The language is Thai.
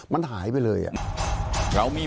มันหายไปเลยอะ